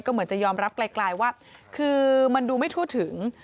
เหมือนจะยอมรับไกลว่าคือมันดูไม่ทั่วถึง